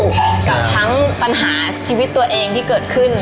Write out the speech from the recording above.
กับทั้งปัญหาชีวิตตัวเองที่เกิดขึ้น